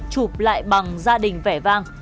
chụp lại bằng gia đình vẻ vang